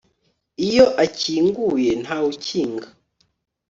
iyo akinguye ntawe ukinga